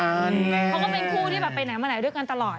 เขาก็เป็นคู่ที่แบบไปไหนมาไหนด้วยกันตลอด